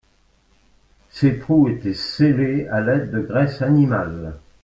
Ces trous était scellés à l'aide de graisse animale.